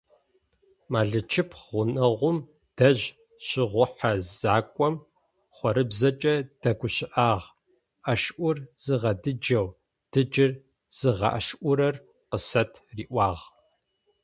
Мэлычыпхъу гъунэгъум дэжь щыгъухьэ зэкӏом хъорыбзэкӏэ дэгущыӏагъ: «ӏэшӏур зыгъэдыджэу, дыджыр зыгъэӏэшӏурэр къысэт» риӏуагъ.